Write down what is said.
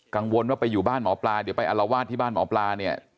กังวลว่าไปอยู่บ้านหมอปลาเดี๋ยวไปอารวาสที่บ้านหมอปลาเนี่ย